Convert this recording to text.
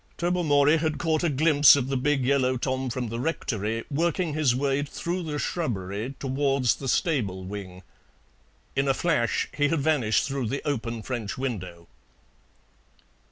Tobermory had caught a glimpse of the big yellow Tom from the Rectory working his way through the shrubbery towards the stable wing. In a flash he had vanished through the open French window.